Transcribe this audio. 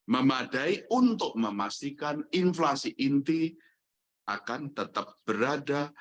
memadai untuk memastikan inflasi inti akan tetap berada